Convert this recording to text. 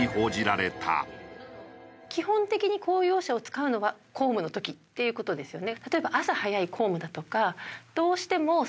基本的に公用車を使うのは公務の時っていう事ですよね。